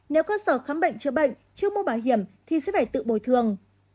nếu cơ sở khám bệnh chữa bệnh chưa mua bảo hiểm thì sẽ phải tự bồi thường